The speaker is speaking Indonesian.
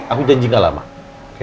aku janji nggak lama oke